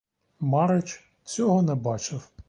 Марич цього не бачив.